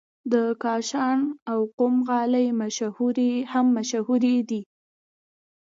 د کاشان او قم غالۍ هم مشهورې دي.